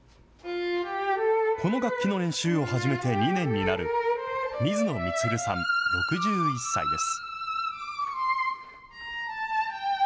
この楽器の練習を始めて２年になる、水野充さん６１歳です。